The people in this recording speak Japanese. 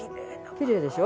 きれいでしょ？